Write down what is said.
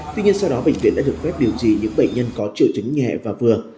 tuy nhiên sau đó bệnh viện đã được phép điều trị những bệnh nhân có triệu chứng nhẹ và vừa